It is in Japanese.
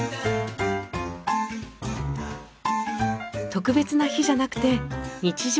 特別な日じゃなくて日常の食卓。